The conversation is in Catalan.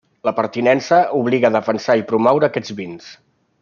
La pertinença obliga a defensar i promoure aquests vins.